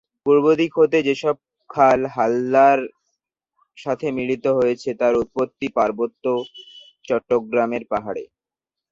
পূর্বদিক হতে যেসব খাল হালদার সাথে মিলিত হয়েছে তার উৎপত্তি পার্বত্য চট্টগ্রামের পাহাড়ে।